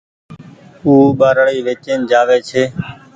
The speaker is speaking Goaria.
او ٻآرآڙي ويچين جآوي ڇي